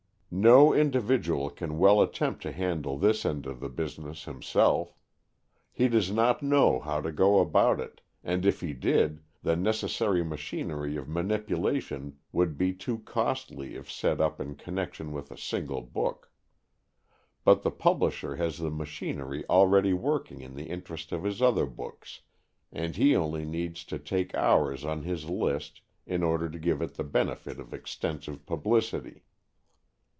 No individual can well attempt to handle this end of the business himself. He does not know how to go about it, and if he did, the necessary machinery of manipulation would be too costly if set up in connection with a single book. But the publisher has this machinery already working in the interest of his other books, and he only needs to take ours on his list in order to give it the benefit of extensive publicity.